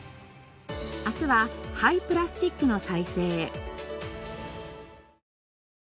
明日は廃プラスチックの再生。